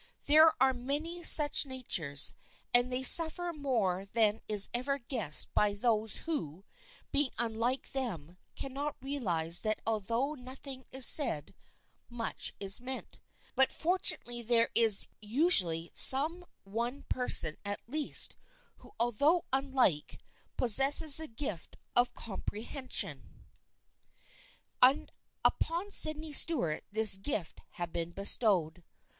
There are many such natures, and they suffer more than is ever guessed by those who, being unlike them, cannot realize that although nothing is said, much is meant. But fortunately there is usually some one person at least, who al though unlike, possesses the gift of comprehen* THE FRIENDSHIP OF ANNE 219 sion. And upon Sydney Stuart this gift had been bestowed.